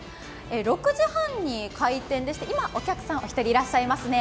６時半に開店でして、今、お客さんお一人いらっしゃいますね。